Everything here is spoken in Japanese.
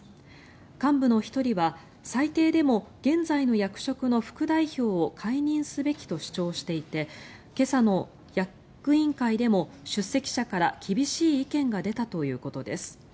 幹部の１人は最低でも現在の役職の副代表を解任すべきと主張していて今朝の役員会でも出席者から厳しい意見が出たということです。